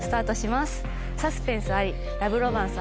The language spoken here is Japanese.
サスペンスありラブロマンスあり。